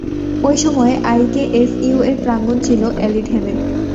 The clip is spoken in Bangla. ঐ সময়ে, আইকেএসইউ-এর প্রাঙ্গণ ছিল এলিডহেমে।